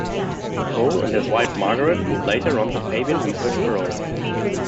Cole and his wife Margaret would later run the Fabian Research Bureau.